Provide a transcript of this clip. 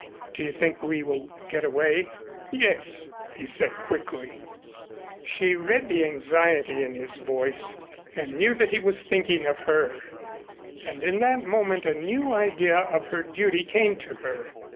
"Do you think we will get away?" "Yes," he said quickly. She read the anxiety in his voice and knew that he was thinking of her, and in that moment a new idea of her duty came to her.